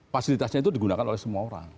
fasilitasnya itu digunakan oleh semua orang